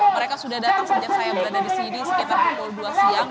mereka sudah datang sejak saya berada di sini sekitar pukul dua siang